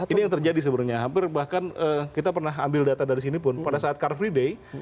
ini yang terjadi sebenarnya hampir bahkan kita pernah ambil data dari sini pun pada saat car free day